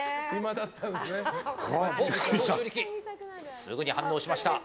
すぐに反応しました。